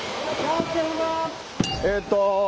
えっと。